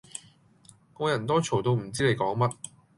我人多嘈到唔知你講咩